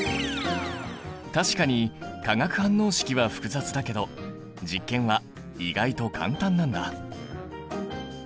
確かに化学反応式は複雑だけど実験は意外と簡単なんだ。